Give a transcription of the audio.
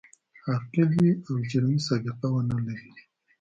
عاقل وي او جرمي سابقه و نه لري.